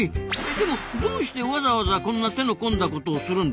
でもどうしてわざわざこんな手の込んだことをするんですか？